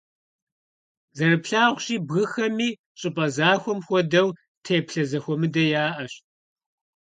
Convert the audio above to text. Зэрыплъагъущи, бгыхэми, щӀыпӀэ захуэм хуэдэу, теплъэ зэхуэмыдэ яӀэщ.